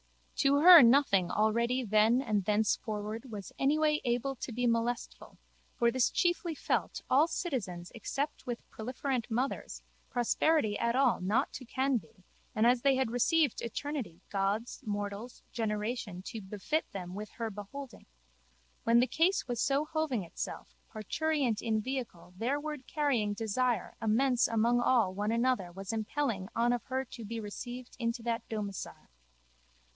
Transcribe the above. To her nothing already then and thenceforward was anyway able to be molestful for this chiefly felt all citizens except with proliferent mothers prosperity at all not to can be and as they had received eternity gods mortals generation to befit them her beholding, when the case was so hoving itself, parturient in vehicle thereward carrying desire immense among all one another was impelling on of her to be received into that domicile.